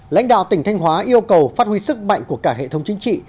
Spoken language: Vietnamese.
lãnh đạo tỉnh thanh hóa yêu cầu phát huy sức mạnh của cả hệ thống chính trị